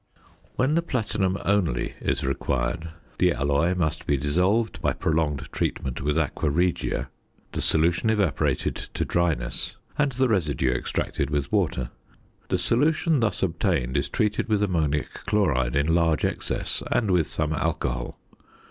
When the platinum only is required, the alloy must be dissolved by prolonged treatment with aqua regia, the solution evaporated to dryness, and the residue extracted with water. The solution thus obtained is treated with ammonic chloride in large excess and with some alcohol.